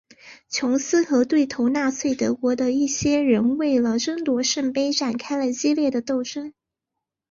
琼斯和对头纳粹德国的一些人为了争夺圣杯展开了激烈的斗争。